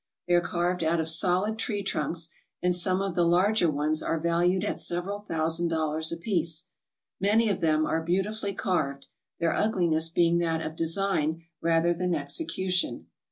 They are carved out of solid tree trunks, and some of the larger ones are valued at several thousand dollars apiece. Many of them are beautifully carved, their ugliness being that of design rather than execution.